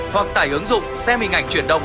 hoặc tải ứng dụng xem hình ảnh chuyển động